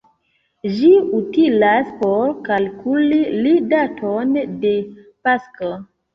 Ĝi utilas por kalkuli la daton de Pasko.